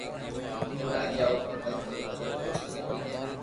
او راجا او ڀگت رو گھرو دوست ھتو